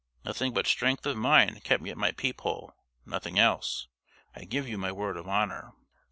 Nothing but strength of mind kept me at my peep hole nothing else, I give you my word of honor.